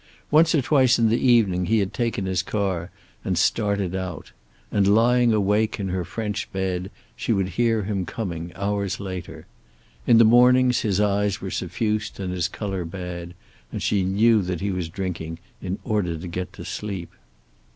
Once or twice in the evening he had taken his car and started out, and lying awake in her French bed she would hear him coming hours later. In the mornings his eyes were suffused and his color bad, and she knew that he was drinking in order to get to sleep.